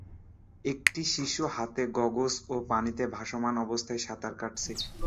একটি শিশু হাতে গগলস এবং পানিতে ভাসমান অবস্থায় সাঁতার কাটছে।